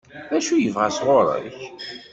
D acu i yebɣa sɣur-k?